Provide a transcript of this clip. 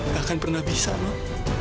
gak akan pernah bisa non